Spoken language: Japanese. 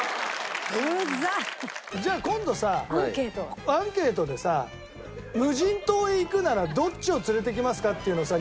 じゃあ今度さアンケートでさ「無人島へ行くならどっちを連れていきますか？」っていうのをさ